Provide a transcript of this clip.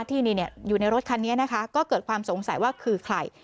ที่อยู่ในรถคันนี้นะคะก็เกิดความสงสัยว่าคือใคร